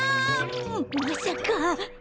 まさか。